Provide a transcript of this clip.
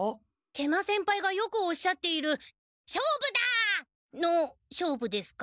食満先輩がよくおっしゃっている「勝負だ！」の勝負ですか？